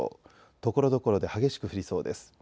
ところどころで激しく降りそうです。